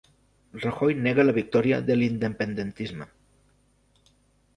Rajoy nega la victòria de l'independentisme